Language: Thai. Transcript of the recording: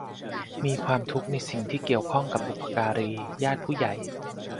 มีความทุกข์ในสิ่งที่เกี่ยวข้องกับบุพการี ญาติผู้ใหญ่